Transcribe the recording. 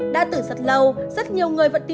đã từ rất lâu rất nhiều người vẫn tin được